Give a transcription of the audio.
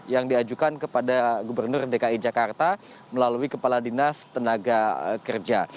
yang diajukan kepada gubernur dki jakarta melalui kepala dinas tenaga kerja